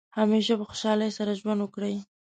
همیشه په خوشحالۍ سره ژوند وکړئ.